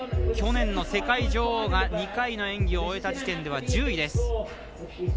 去年の世界女王が２回の演技を終えた時点で１０位です。